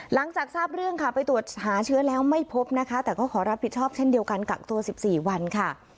หลังจากทราบเรื่องค่ะไปตรวจหาเชื้อแล้วไม่พบนะคะแต่ก็ขอรับผิดชอบเช่นเดียวกันกักตัว๑๔วันค่ะ